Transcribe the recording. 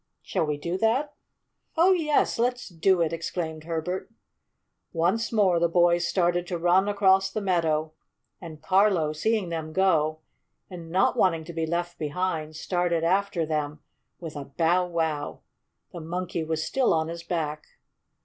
Shall we do that?" "Oh, yes. Let's do it!" exclaimed Herbert. Once more the boys started to run across the meadow, and Carlo, seeing them go, and not wanting to be left behind, started after them with a "bow wow." The Monkey was still on his back.